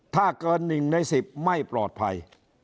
ถ้าเกิน๑ใน๑๐ไม่ปลอดภัย